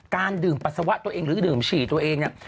การดื่มปัสสาวะตัวเองหรือดื่มฉี่ตัวเองเนี่ย